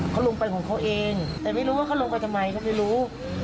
เขาลงไปของเขาเองแต่ไม่รู้ว่าเขาลงไปทำไมเขาไม่รู้